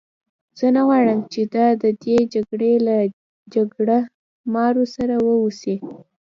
زه نه غواړم چې دا د دې جګړې له جګړه مارو سره وه اوسي.